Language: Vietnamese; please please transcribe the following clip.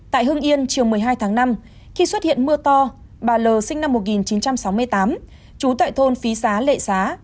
tại hương yên chiều một mươi hai tháng năm khi xuất hiện mưa to bà l sinh năm một nghìn chín trăm sáu mươi tám trú tại thôn phí xá lệ xá